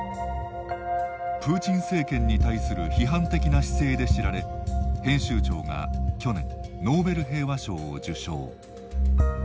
プーチン政権に対する批判的な姿勢で知られ編集長が去年ノーベル平和賞を受賞。